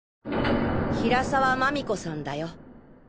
平沢真美子さんだよ。